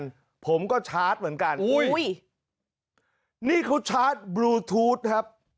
นี่เขาชาร์จบลูทูธครับ